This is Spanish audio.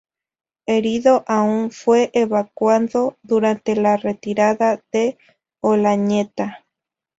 Herido aún, fue evacuado durante la retirada de Olañeta.